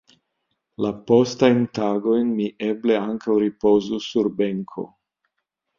La postajn tagojn mi eble ankaŭ ripozus sur benko.